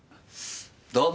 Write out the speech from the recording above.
どうも！